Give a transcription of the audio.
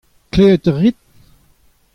Klevet a rit ?